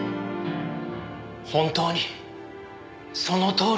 本当にそのとおりだった。